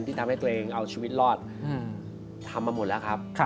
ที่ทำให้ตัวเองเอาชีวิตรอดทำมาหมดแล้วครับ